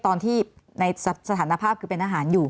ตอนที่ในสถานภาพคือเป็นอาหารอยู่